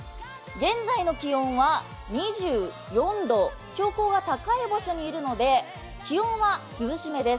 現在の気温は２４度、標高が高い場所にいるので、気温は涼しめです。